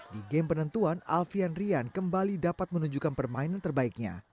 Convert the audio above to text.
di game penentuan alfian rian kembali dapat menunjukkan permainan terbaiknya